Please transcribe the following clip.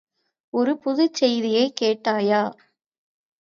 ஒரு புதுச் செய்தியைக் கேட்டாயா?